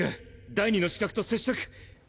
第二の刺客と接触！